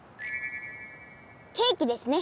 ケーキですね！